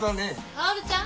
薫ちゃん